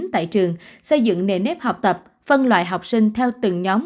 tại trường xây dựng nền nếp học tập phân loại học sinh theo từng nhóm